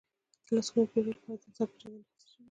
د لسګونو پېړيو لپاره د انسان پېژندنې هڅې شوي دي.